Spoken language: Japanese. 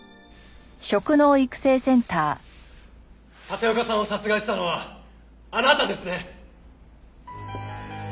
立岡さんを殺害したのはあなたですね？